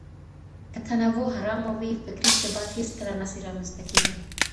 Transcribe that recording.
که تنوع حرامه وي، فکري ثبات هيڅکله نه سي رامنځته کېدای.